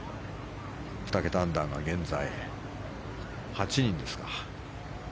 ２桁アンダーが現在、８人ですか。